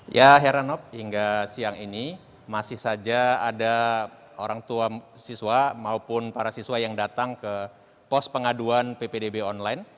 ya heranop hingga siang ini masih saja ada orang tua siswa maupun para siswa yang datang ke pos pengaduan ppdb online